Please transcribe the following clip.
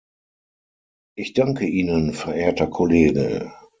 Ich danke Ihnen, verehrter Kollege.